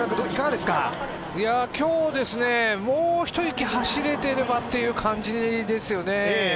今日、もう一息走れていればっていう感じですよね。